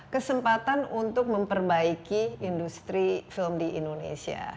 kesempatan untuk memperbaiki industri film di indonesia